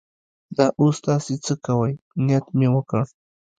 دا اوس تاسې څه کوئ؟ نیت مې وکړ.